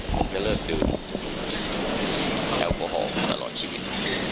ผมจะเลิกดื่มแอลกอฮอล์ตลอดชีวิต